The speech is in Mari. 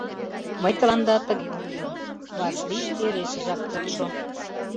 — Мый тыланда тыге ойлем: Васлий верешыжак кодшо!